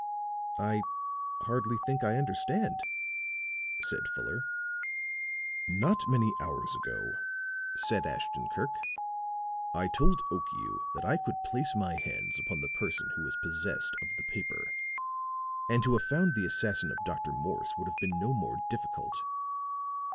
"I hardly think I understand," said Fuller. "Not many hours ago," said Ashton Kirk, "I told Okiu that I could place my hands upon the person who was possessed of the paper. And to have found the assassin of Dr. Morse would have been no more difficult.